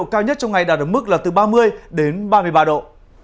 cao nhất trong ngày đạt được mức là từ ba mươi đến ba mươi ba độ